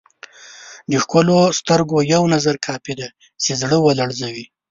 د ښکلو سترګو یو نظر کافي دی چې زړه ولړزوي.